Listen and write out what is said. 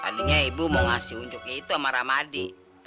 tadinya ibu mau ngasih unjuknya itu sama ramadi